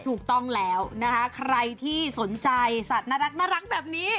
ถูกต้องแล้วนะคะใครที่สนใจสัตว์น่ารักแบบนี้